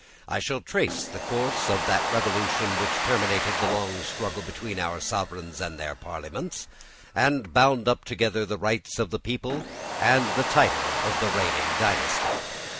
I shall trace the course of that revolution which terminated the long struggle between our sovereigns and their parliaments, and bound up together the rights of the people and the title of the reigning dynasty.